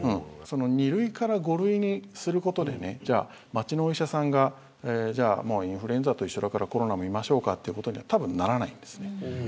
２類から５類にすることで町のお医者さんがインフルエンザと一緒だからコロナ診ましょうかっていうことには多分、ならないんですね